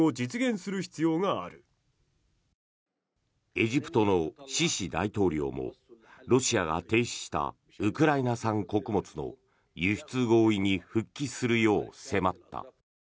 エジプトのシシ大統領もロシアが停止したウクライナ産穀物の輸出合意に復帰するよう迫った。